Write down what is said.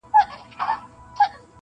مور له زامنو څخه پټیږي-